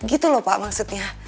gitu loh pak maksudnya